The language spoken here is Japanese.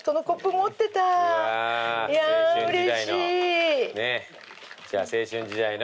いやうれしい。